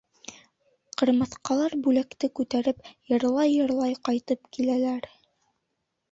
Ҡырмыҫҡалар бүләкте күтәреп, йырлай-йырлай ҡайтып киләләр.